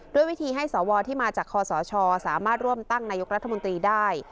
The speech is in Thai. ด้วยวิธีให้สวที่มาจากคอสชสามารถร่วมตั้งนายกรัฐมนตรีได้